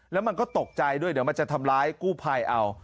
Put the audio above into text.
แล้วมันก็ตกใจด้วยเดี๋ยวมันจะทำร้ายกู้ภัยเอา